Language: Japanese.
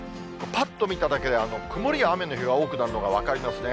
ぱっと見ただけで、曇りや雨の日が多くなるのが分かりますね。